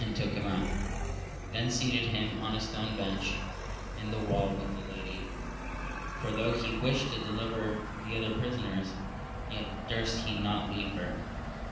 took him out, then seated himsdf on a stone bench in the wall with the lady, for tho* he wished to deliver the other prisoners, yet durst he not leave her.